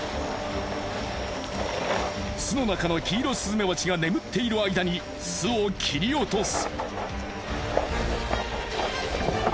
巣の中のキイロスズメバチが眠っている間に巣を切り落とす。